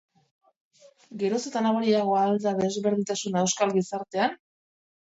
Geroz eta nabariagoa al da desberdintasuna euskal gizartean?